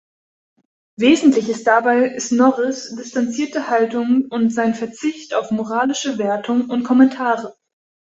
Wesentlich ist dabei Snorris distanzierte Haltung und sein Verzicht auf moralische Wertungen und Kommentare.